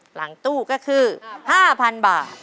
หลังตู้ก็คือ๕๐๐๐บาท